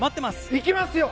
行きますよ！